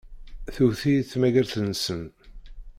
Tewwet-iyi tmagart-nsent.